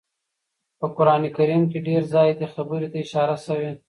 په قران کريم کي ډير ځايه دې خبرې ته اشاره شوي